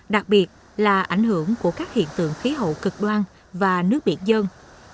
đặc biệt là ảnh hưởng của các hiện tượng khí hậu cực đoan và nước biển dân